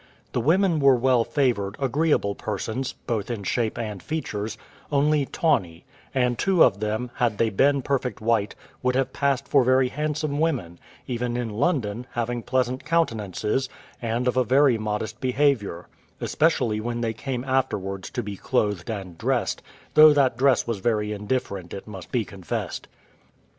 The women were well favoured, agreeable persons, both in shape and features, only tawny; and two of them, had they been perfect white, would have passed for very handsome women, even in London, having pleasant countenances, and of a very modest behaviour; especially when they came afterwards to be clothed and dressed, though that dress was very indifferent, it must be confessed.